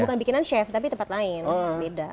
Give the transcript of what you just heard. bukan bikinan chef tapi tempat lain beda